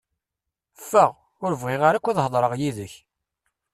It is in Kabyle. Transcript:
Ffeɣ! Ur bɣiɣ ara akk ad heḍṛeɣ yid-k!